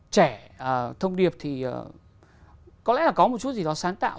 trẻ thông điệp thì có lẽ là có một chút gì đó sáng tạo